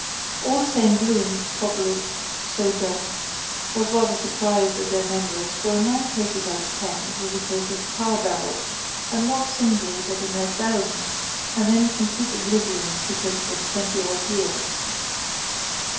All the same Bloom (properly so dubbed) was rather surprised at their memories for in nine cases out of ten it was a case of tarbarrels and not singly but in their thousands and then complete oblivion because it was twenty odd years.